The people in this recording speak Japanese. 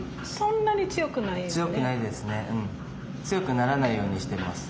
強くならないようにしてます。